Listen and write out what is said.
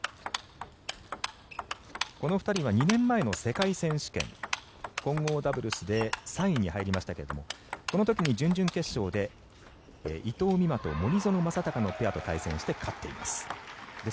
この２人は２年前の世界選手権の混合ダブルスで３位に入りましたけれどもこの時に準々決勝で伊藤美誠と森薗政崇とのペアと対戦して勝っています。